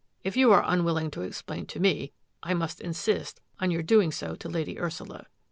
If you are unwilling to explain to me, I must insist on your doing so to Lady Ursula.''